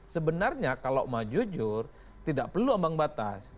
sebenarnya kalau mau jujur tidak perlu ambang batas